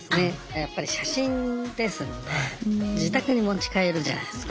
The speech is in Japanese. やっぱり写真ですので自宅に持ち帰るじゃないすか。